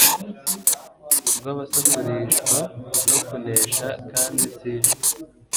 rw abasakurishwa no kunesha kandi si ijwi